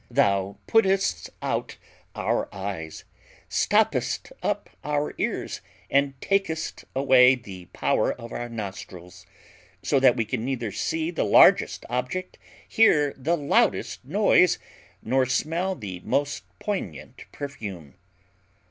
Thou puttest out our eyes, stoppest up our ears, and takest away the power of our nostrils; so that we can neither see the largest object, hear the loudest noise, nor smell the most poignant perfume.